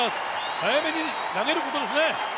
早めに投げることですね。